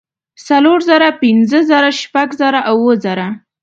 څلور زره پنځۀ زره شپږ زره اووه زره